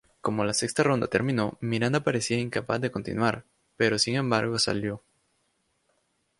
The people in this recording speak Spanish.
Como la sexta ronda terminó, Miranda parecía incapaz de continuar, pero sin embargo salió.